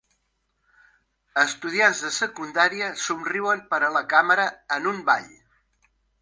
Estudiants de secundària somriuen per a la càmera en un ball.